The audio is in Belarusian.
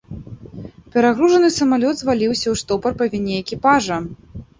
Перагружаны самалёт зваліўся ў штопар па віне экіпажа.